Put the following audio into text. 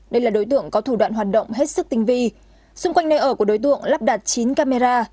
đây là đối tượng có thủ đoạn hoạt động hết sức tinh vi xung quanh nơi ở của đối tượng lắp đặt chín camera